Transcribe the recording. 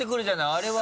あれは。